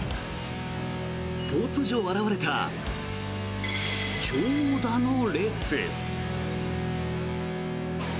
突如現れた、長蛇の列。